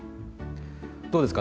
どうですか？